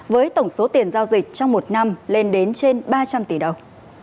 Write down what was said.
với tổng số tiền giao dịch trong một năm lên đến trên ba trăm linh tỷ đồng